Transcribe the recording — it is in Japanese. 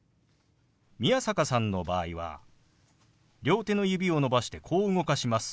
宮坂さんの場合は両手の指を伸ばしてこう動かします。